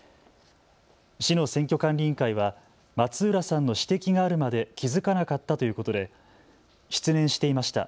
市の選挙管理委員会は松浦さんの指摘があるまで気付かなかったということで失念していました。